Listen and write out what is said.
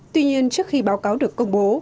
tuy nhiên trước khi báo cáo được công bố